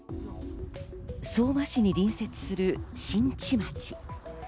相馬市に隣接する新地町。